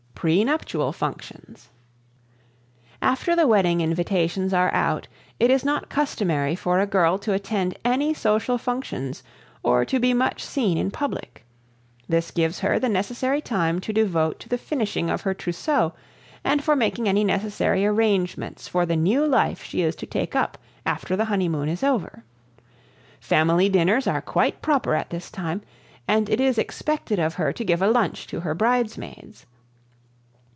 Prenuptial Functions. After the wedding invitations are out it is not customary for a girl to attend any social functions or to be much seen in public. This gives her the necessary time to devote to the finishing of her trousseau and for making any necessary arrangements for the new life she is to take up after the honeymoon is over. Family dinners are quite proper at this time, and it is expected of her to give a lunch to her bridesmaids.